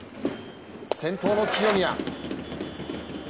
先頭の清宮。